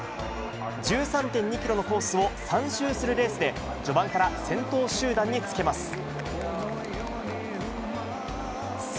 １３．２キロのコースを３周するレースで、序盤から先頭集団につけます。